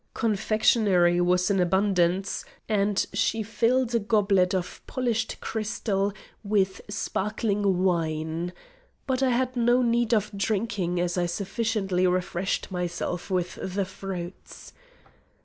Confectionary was in abundance, and she filled a goblet of polished crystal with sparkling wine; but I had no need of drinking, as I sufficiently refreshed myself with the fruits.